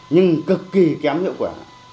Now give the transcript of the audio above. nhưng cực kỳ kém hiệu quả